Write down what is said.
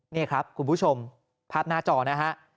นี่ครับคุณผู้ชมภาพหน้าจอนะฮะ